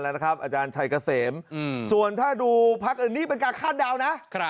และนะครับอาจารย์ชัยเกษมส่วนถ้าดูภาคอื่นนี้เป็นการคาดเดานะ